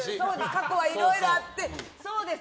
過去はいろいろあって、そうです。